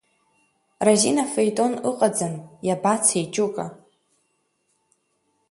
Разина феитон ыҟаӡам, иабацеи, Ҷука?